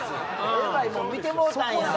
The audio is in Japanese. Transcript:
えらいもん見てもうたんや。